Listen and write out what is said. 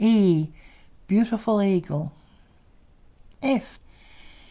e! Beautiful eagle!